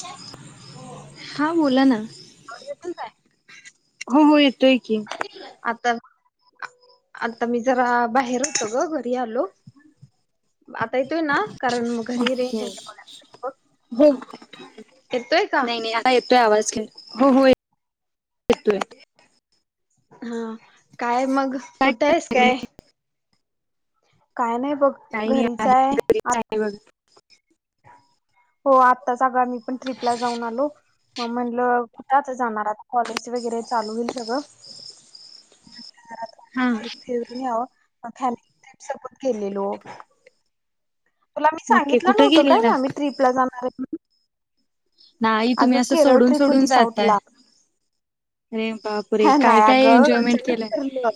जय हां बोला ना? हो हो येतोय की. आता मी जरा बाहेर होतो ग घरी आलो. आता येतोय ना कारण मग घरी रेंज ओके आहे का [unintelligible] येतोय का नाय नाय आा येतोय आवाज ख हो होे ये येतोय. हा. काय मग काय कुठं हायस करताय तुम्ही? काय? काय नाही बघ काही नाही घरीच आहे हाय आ घरीच आहे बघ. हो आत्ताच आम्ही मी पण ट्रीपला जाऊन आलो म्हणलं कुठ आता जाणार आता कॉलेज वगैरे चालू होईल सगळं. [unintelligible] हा फी फीरुन याव [unintelligible] गेलेलो. तुला मी ओके सांगितलं कुठे नव्हतं गेलेला? काय आम्ही ट्रीपला जाणार आहे म्ह नाही तुम्ही असं केरळ सोडून ट्रिप सोडून होती जातय साऊथला अरे बापरे ह काय नाही काय अगं एन्जॉयमेंट अचानक केलाय? ठरलं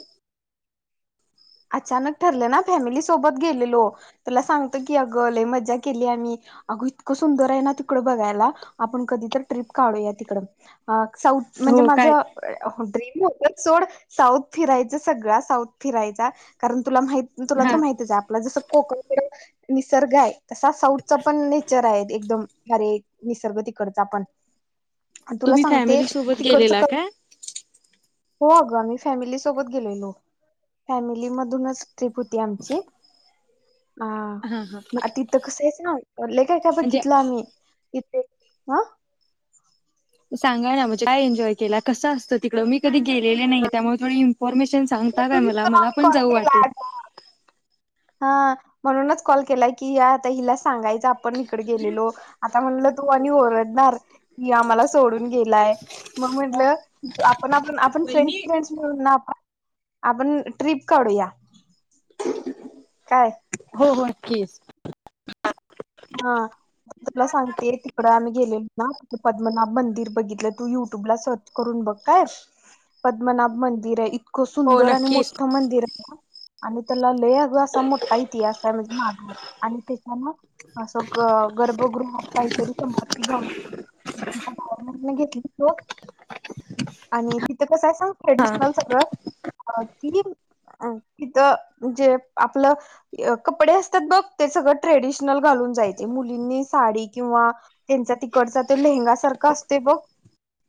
अचानक ठरलं ना फॅमिली सोबत गेलेलो तुला सांगत की अग लय मजा केली आम्ही अगं इतकं सुंदर आहे ना तिकड बघायला आपण कधी तर ट्रीप काढूया तिकड अं साऊथ म्हणजे हो काय माझं अ अ ड्रीम हो ते सोड साऊथ फिरायचं सगळा साऊथ फिरायचा. कारण तुला माहित तुला तर हा माहतीच हाय आपला जसं कोकण कड निसर्ग हाय तसा साऊथचा पण नेचर आहे एकदम अरे निसर्ग तिकडचा पण आणि तुला तुम्ही सांगते फॅमिली सोबत गेलेला तिकडचं काय? हो अगं आमही फॅमिली सोबत गेलेलो फॅमि ल्लीमधूनच ट्रीप होती आमची हा तिथं कसं हेच नव्हत लय काय काय म्हणजे बघितलं आम्ही. इथे हं सांगाय नाय म्हणजे काय एन्जॉय केला कसं असतं तिकडं मी कधी गेलेले नाही त्यामुळे थोडी इन्फॉर्मेशन सांगता काय मला मला पण कॉल जाऊ केला वाटेल. हा म्हणूनच कॉल केलाय की या आता हिला सांगायच आप आपण इकडे गेलेलो आता म्हटलं तू आणि ओरडणार, की आम्हाला सोडून गेलाय, मग म्हटलं आपण, आपण, आपण फ्रेंड्स, वहिनी फ्रेंड्स म्हणून ना आप आपण ट्रिप कढूया. काय? हो होय की. हा तुला सांगते, तिकड आम्ही गेलेलो ना पद्मनाभ मंदिर बघितलं तू युट्यूब ला सर्च करून बघ काय. पद्मनाभ मंदिर आहे इतकं हो सुंदर आणि नक्कीच मोठं मंदिर हाय आणि त्याला लई आग असा मोठा इत्यास हाय, म्हणजे माघार आणि त्याच्याना अस ग गर्भगृहात काहीतरी संपत्ती गावली गवर्मेंटने घेतली सोड आणि तीत कसाय सांग हा ट्रेडिशनल सगळं [unintelligible] तिथ जे आपलं कपडे असत्यात बघ ते सगळं ट्रॅडिश ऑपशन घालून जायची मुलींनी साडी किंवा त्यांचा तिकडचा तो लेहंगा सारखा असतोय बघ,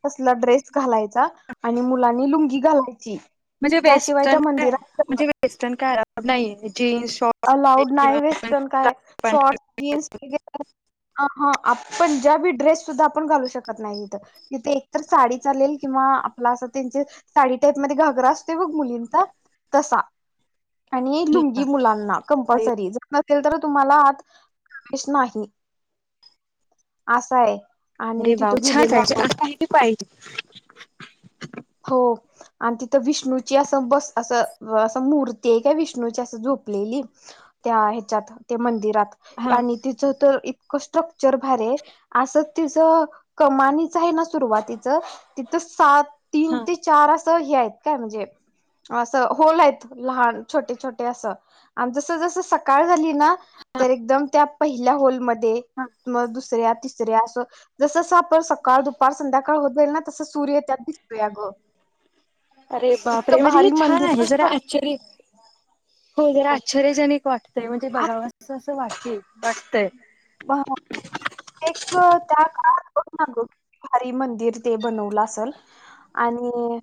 तसला ड्रेस घालायचा आणि मुलांनी लुंगी घालायची. म्हजे त्याशिवाय त्या वेस्टर्न मंदिरात काय वेस्टर्न काय आलावूड नायां. अलाउड नाही वेस्टर्न काय शॉर्ट जीन्स [unintelligible] हं हा आपण त्यावेळी ड्रेस आपण घालू शकत नाई इथ इथे एक साडी चालेल किंवा आपला असा त्याचं साडी टाईप घागरा असतोय ब मुलींचा तसा. आणि लुंगी मुलांना ना पाहिजे. कंपलसरी तर तुम्हाला आत प्रवेश नाही आस हाय. [unintelligible] पाहिजे. हो आणि तिथं विष्णूची असं बस असं अस मूर्ती हाय काय विष्णूची अस झोपलेली त्या हे च्यात मंदिरात. हा आणि तिचं तर इत इतकं स्ट्रक्चर भारी हाय अस तीज कमानीच हायना सुरवातीच तिथ साप तीन हा ते चार असं हे हायत. काय म्हणजे अस होल हाईत लहान छोटे छोटे असं आणि जस जस सकाळ झाली ना हा तर एकदम त्यात पहिल्या होल मध ते हा मग दुसऱ्यात तिसऱ्या आसं जस साप तर सकाळ दुपार संध्याकाळ होत जाईल ना तसं सूर्य त्यात दि अरे बापरे इतकं म्हणजे हे भारी छान आहे. मंदिरच जरा आश्चर्य हो जरा स्ट्रक्चर आश्चर्यजनिक वाटत्यय. ते बघावं असं सं वाट ते मस्त हाय. एक वेळ ताक. [unintelligible] भारी मंदिर ते बनवलं आसल आणि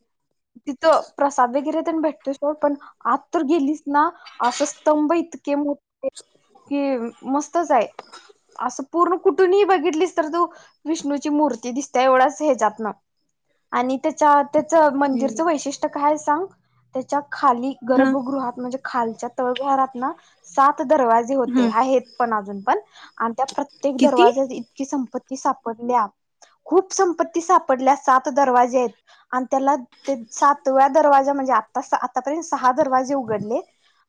तिथ प्रसाद वैगरे तेन भेटतो सोड पण आत तर गेलीसं ना आस स्तंभ इतके मोठे कि मस्तच हाय आसं पूर्ण कुठून ही बघितलीस तर तू विष्णूची मूर्ती दिसत्या, एवढाच हे ज्यात न आणि ते च्यात तेचं हम्म. मंदिरचं वैशिष्ट काय सांग? ते चक खाली हा गर्भगृहात म्हजे खालच्यात तळ घरात ना सात दरवाजे होते हा आहेत पण आजून पण [inaudible] ते एक किती? दरवाजा इतकी संपत्त ती सापडल्या खूप संपत्ती सापडल्या सात दरवाजे हायत आणि त्याला ते सातव्या दरवाजा म्हणजे आता आतापर्यंत सहा दरवाजे उघडले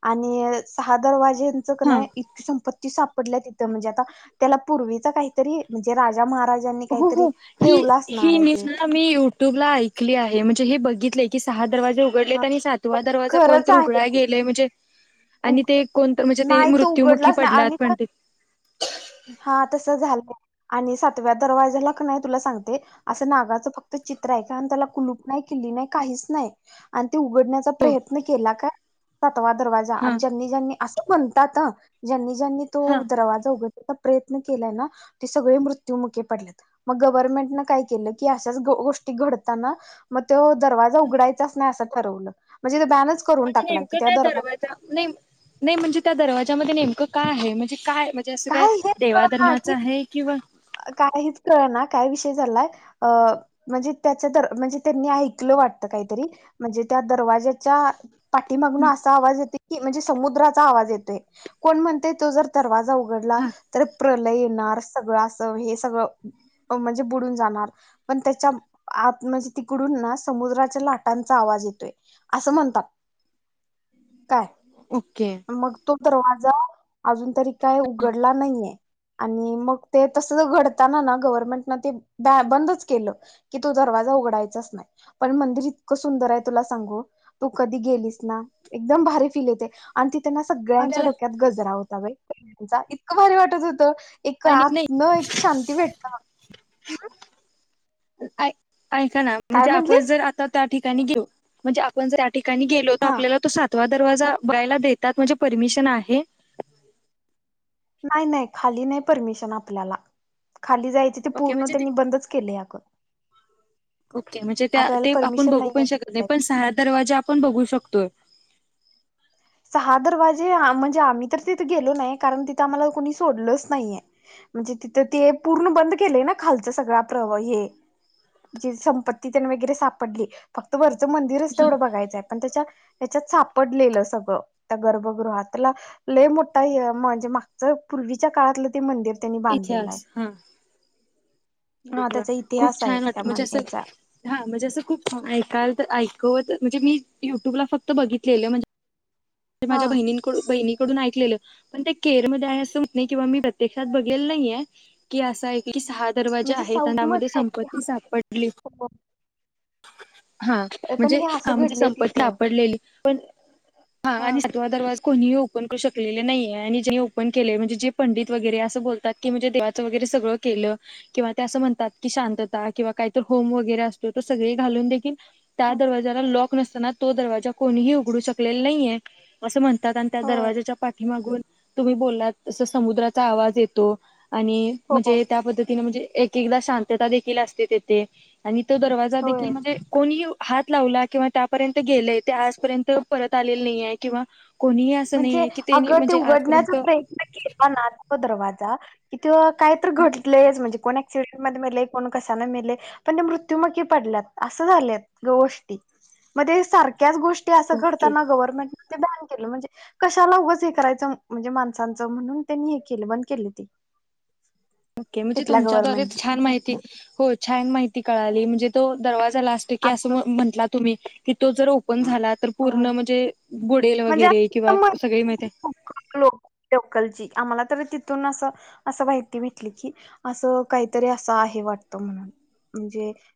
आणि सहा दरवाजे तेंच हा कने इतकी संपत्त ती सापडल्या तिथं म्हणजे आता त्याला पूर्वीचा काहीतरी म्हणजे राजा महाराज हो हो ही ही न्यूज ते ना मी युट्यूबला ऐकली आहे. हे बघितय की सहा दरवाजे उघडलेत आणि सातवा दरवाजा खरंच कोणतर आहे उघडायला ते गेलय म्हणजे आणि ते कोणतर म्हणजे ते नाही तो मृत्युमुखी उघडलाच नाही पडल्या आणि पण ते हा तस झालंय आणि सातव्या दरवाज्याला क नाय तुला सांगते असं नागाच फक्त चित्र हाय काय त्याला कुलूप नाही किल्ली नाही काहीच नाही आण ते उघडण्याचा हो प्रयत्न केला काय तवा दरवाजा आणि हा. ज्यांनी ज्यांनी आस म्हणतात अ ज्यांनी ज्यानी तो हा दरवाजा उघड प्रयत्न केलाय ना ते सगळे मृत्यूमुखी पडलेत मग गव्हनमेंट का केलं की अशच गोष्टी घडताना मग तो दवाज उघडायचाच नाही असा ठरवला म्हणजे बॅनच करून म्हणजे टाकला की नेमकं त्या काय दरवाजा नाय नाय म्हणजे त्या दरवाज त्यामध्ये नेमकं काय आहे म्हणजे काय? म्हणजे असं काय हेच कळ ना देवाधर्माचं कि आहे किंवा काय हेच कळ ना काय विषय झालाय अ म्हणजे त्याच दर म्हणजे त्यांनी ऐकलं वाटत काहीतरी म्हणजे त्या दरवाजच्या पाठीमागुण असा आवाज येतोय की म्हणजे समुद्राचा आवाज येतोय कोण म्हणतंय तो जर दवाजा उ उघडला हा तर प्रलय येणार सगळं असं हे सगळं म्हणजे बुडून जाणार पण त्याच्या आत म्हणजे तिकडून ना समुद्राच्या लाटांचा आवाज येतोय असं म्हणतात. काय ओके मग तो दरवाजा अजून तरी काय उ घडला नइयेय आणि मग ते तसंच घडताना ना गवर्नमेंट ते दार बंदच केलं की तो दरवाजा उघडायचाच नाय पण मंदिर इतकं सुंदर हाय तुला सांगू तु कधी गेलीस ना एकदम भारी फील येतय आणि ती ते ना सगळ्यांच्या आपल्याला डोक्यात गजरा होता बाई. [inaudible] जा इतकं भारी वाटत होतं एक आणि नाही आतन एक शांती भेटत् ऐ ऐका ना म्हणजे आपण म्हटलीस? जर आता त्या ठिक त्यांनी घेऊ म्हणजे आपण जरी आ ठिकाणी गेलो तर हा आपल्याला तो सात तवा दरवाजा बघायला देतात म्हणजे परमिशन आहे? नाय ना खाली नाय परमिशन आपल्याला. खाली जायचे ते ओके पूर्ण म्हणजे ते, त्यांनी बंदच केले अगं ओके म्हणजे त्या आपल्याला ते आपण परमिशन बघू नाही पण आहे शकत तिथे नाही. पण जायची. सहा दरवाजे आपण बघू शकतोय. सहा दरवाजे आ म्हणजे आम्ही तर तिथे गेलो नाही. कारण तिथं आम्हाला कोणी सोडलच नाहीये. म्हणजे तिथ ते पूर्ण बंद केलेय ना खालचा सगळा प्रव हे जी संपती तेन वगैरे सापडली. फक्त वर चं मंदिरच तेवढं बघायचं आहे पण त्याच्या त्याच्यात सापडलेलं स त्या गर्भगृहातला लय मोठा हे म्हणजे मागचं पूर्वीच्या काळातलं ते मंदिर त्यांनी बांधलेलं इतिहास आहे हा. हा अर त्याचा खूप इतिहास आहे छान वाट त्या म्हणजे मन असं याचा हा म्हणजे असं खूप ऐकायल, तर ऐक हो ते म्हणजे मी युट्यूबला फक्त बघितलेलं म्हणजे हा माझ्या बहिणीनंकडू बहिणीकडून ऐकलेलं. पण ते केर मध्ये आहे असं होत नाही किंवा मी प्रत्यक्षात बघल नाहीये की असा सहा दरवाजे म्हणजे आहेत अन् साऊथ त्यामध्ये मध्ये आहे संपत्ती सापडली. [unintelligible] हा पण म्हणजे हे हा असं म्हणजे घडलंय संपत्ती तिथं सापडलेली पण, हा आणि सातवा दरवाजा कोणीही ओपन करू शकलेलं नाही आहे, आणि ज्यांनी ओपन केले म्हणजे जे पंडित वगैरे असं बोलतात की म्हणजे देवाचं वगैरे सगळं केलं किंवा ते असं म्हणतात की शांतता किंवा कायतर होम वगैरे असतो तर सगळे घालून देखील त्या दरवाजाला लॉक नसतना तो दरवाजा कोणीही उघडू शकलेल नाहीये. असं म्हण तात आणि त्या होय दरवाज्याच्या पाठीमागून तुम्ही बोललात तसा समुद्राचा आवाज येतो. आणि हो म्हणजे त्या पद्धतीने म्हणजे एक एकदा शांतता देखील असते तेथे आणि तो दरवाजा देखील होय म्हणजे कोणी ही येउ हात लावला किंवा त्यापर्यंत गेलेय ते आजपर्यंत परत आलेले नाहीये. किंवा म्हणजे अगं ते म्हणजे उघडण्याचा आजपर्यंत प्रयत्न केला ना तो दरवा जा तिथं काय तर घटलंयच म्हणजे कोणी [unintelligible] मध्येे मेले कोण कशानं मेले पण ते मृत्यूमखी पडल्यात असं झाल्यात गोष्टी. म ते सार त्याच गोष्टी असं ओके घडतांना गव्हरमेंट ते बॅन केल म्हणजे कशाला उगंच हे करायचं म्हणजे माणसांचं म्हणून त्यांनी हे केलं बंद केली ते ओके म्हणजे तुमच्या द्वारे छान माहीती हो छान माहीती कळा नाई म्हणजे तो दरवाजा प्लास्टीके अस म्हंटला तुम्ही. कि तो जर ओ पन झाला तर होय पुर्ण म्हणजे बुडेल म्हणजे वगैरे किंवा सगळी माहिती [inaudible] लोकल ची आम्हाला तर तिथून अस असं माहिती भेटली की अस काहीतरी अस आहे वाटत म्हणुन.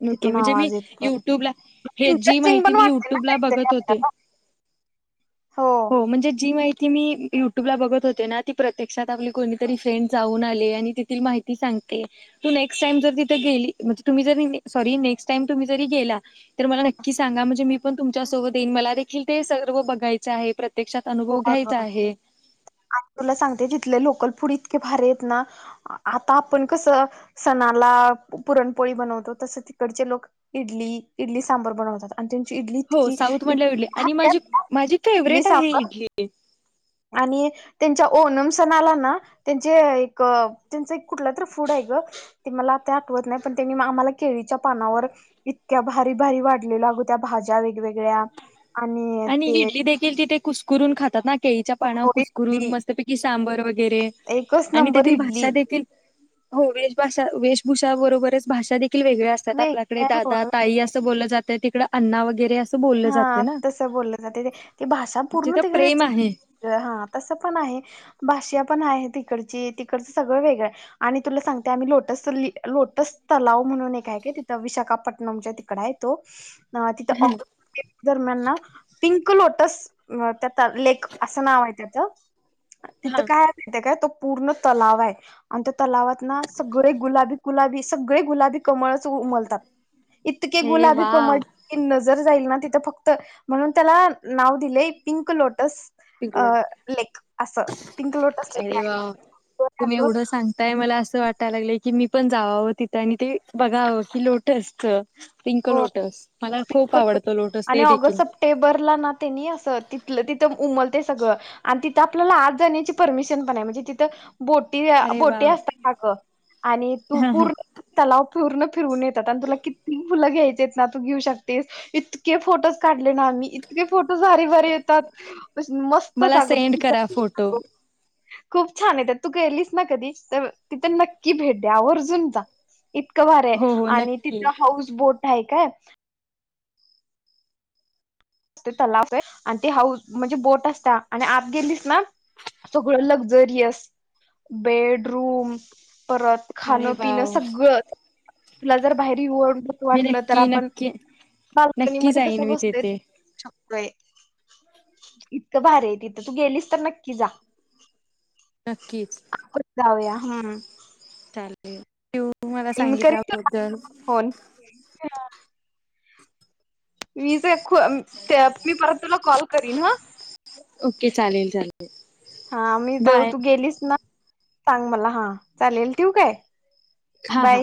नोके म्हणजे मी युट्यूबला हे जी इंटरेस्टिंग माहिती पण मी वाटतय ना युट्यूबला कायतरी बघत होते आपल्याला. हो म्हणजे जी माहि ती मी युट्यूबला बघत होते ना ती प्रत्यक्षात आपली कोणीतरी फ्रेंड जाऊन आलीये आणि तिथील माहिती सांगते तू नेक्स्ट टाइम जर तिथ गेली म्हणजे तुम्ही जरी सॉरी नेक्स्ट टाइम तुम्ही जरी गेला तर मला नक्की सांगा म्हणजे मी पण तुमच्या सोबत येईन मला देखील ते सर्व बघाय च आहे प्र हो अग आणि तुला सांगते तिथलं लोकल फूड इ भारी आहेत ना आता आपण कसं सणाला पुरणपोळी बनवतो तसं तिकडचे लोक इडली इडली सांबर बनवतात. आणि त्यांची इडली हो इतकी साऊथ मधल्या इतकी इडल्या आणि भारी माझी असते ना माझी इडली फेवरेट आहे सांबर इडली. ये. आणि त्यांच्या ओणम सणाला ना त्यांचे एक त्यांचं एक कुठलं तर फूड आहे ग ते मला आता आठवत नाही पण त्यांनी आम्हाला केळीच्या पानावर इतक्या भारी भारी वाढलेलं अग त्या भाज्या वेगवेगळ्या आणि इडली देखील तिथे कुसकरून खातात ना. केळीच्या पानावर कुसकरून एक मस्तपैकी सांबर वगैरे एकच आणि नंबर तेथील इडली भाषा देखील हो वेशभाषा वेशभूषाबरोबरच भाषा दे खील वेगळ्या असतात, आपल्याकडे वेगळ्या दादा ताई असं बोललं जातयं, ति अण्णा वगैरे असं बोललं हा जातयं ना. तसं बोललं जातयं ते ती भाषा पूर्ण जिथं तिकड प्रेम आहे हा तस पण आहे. भाषा पण आहे तिकडची, तिकडचं सगळं वेगळं आहे, आणि तुला सांगते आम्ही लोटस ली लोटस तलाव म्हणून एक आहे काय तिथं, विशाखापट्टणमच्या तिकडं आहे तो. हा तिथं ऑ दरम्यान ना पिंक लोट तस्स अ त्यात लेख असं नाव आहे त्याचं. हा तिथं काय हाय माहिताय काय तो पूर्ण तलाव आहे. आणि त्या तलावात ना सगळे गुलाबी गुलाबी सगळे गुलाबी कमळच उमलतात, इतके अरे गुलाबी वा कमळ की नज जाईल ना तिथं फक्त, म्हणून त्याला नाव दिलंय पिंक लोटस. अ पिंकलोड लेक असं, पिंक लोटस लेक अरे वा आहे. [unintelligible] कि मी पण जावावं तिथं आणि ते बघावं की लोटसच पिंक हो लोटस मला खूप आवडतं लोटस आणि ते ऑगस्ट देखील सप्टेंबरला ना तेनी अस तिथल तिथं उमलं ते सगळं आणि तिथ आपल्याला आत जाण्याची परमिशन पण आहे म्हणजे तिथं, बोटी, अ अरे वा बोटी असतात अगं आणि तू हा हा पूर्ण तलाव पूर्ण फिरून येत जाताना तुला किती तुला घ्यायचे ना तू घेऊ शकतेस इतके फोटोज काढले ना आम्ही, इतके फो भारी भारी येतात मस्त मला अग सेंड करा फोटो [unintelligible] खूप छान आहे. तू गेलीस ना कधी तर तिथं नक्की भेट द्या आवर्जून जा. इतकं भारी आहे. हो हो आणि नक्की तिथलं हाऊस पोट हाय काय? ते तलाव ये आणि ते हाऊस म्हणजे बोट असता आणि आत गेलीस ना सगळं लक्झरीएस बेड रूम परत अरे खाणं वा पिणं सगळं तुला जर बाहेर येऊ [unintelligible] मी वाटलं तर नक्की आपण नक्की नक्की बाल्कनीमध्ये कस जाईन मी बसतोय तेथे [unintelligible] इतकं भारी आहे तिथं तू गेलीस तर नक्की जा. नक्कीच. हा [unintelligible] चालेल ठेवू तु मला करीन तुला सांगितल्याबद्दल फोन मी जे खू अ ते मी परत तुला कॉल करीन ह ओके चालेल चाले हा मी जव तू गेलीस ना सांग मला हा चालेल ठेवू काय? हा, बाय हा